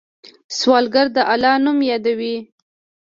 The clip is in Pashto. سوالګر د الله نوم یادوي